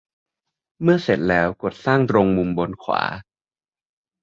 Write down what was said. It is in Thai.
เมื่อเสร็จแล้ว กดสร้างตรงมุมบนขวา